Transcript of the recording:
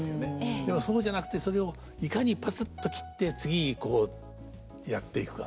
でもそうじゃなくてそれをいかにプツッと切って次にこうやっていくか。